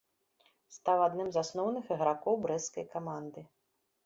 Стаў адным з асноўных ігракоў брэсцкай каманды.